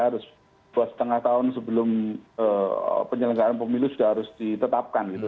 harus dua lima tahun sebelum penyelenggaraan pemilu sudah harus ditetapkan gitu